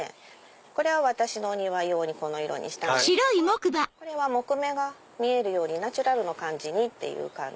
これは私のお庭用にこの色にしたんですけどこれは木目が見えるようにナチュラルの感じにっていう。